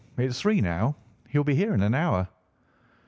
It is three now. He will be here in an hour."